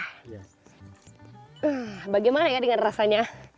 hmm bagaimana ya dengan rasanya